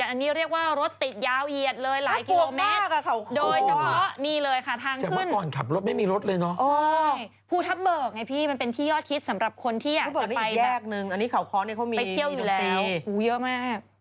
อันนี้ข่าวค้อนี่เขามีหนุ่มตีไปเที่ยวอยู่แล้วหูเยอะมาก